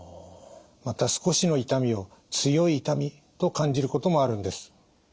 また少しの痛みを強い痛みと感じることもあるんです。